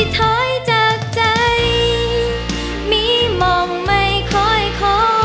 ถอยจากใจมีมองไม่ค่อยขอ